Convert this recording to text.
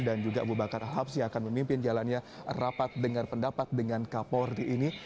dan juga bu bakar al habsyi akan memimpin jalannya rapat dengan pendapat dengan kapolri ini